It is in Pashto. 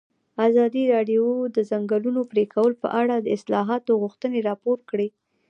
ازادي راډیو د د ځنګلونو پرېکول په اړه د اصلاحاتو غوښتنې راپور کړې.